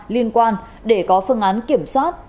liên quan để có phương án kiểm soát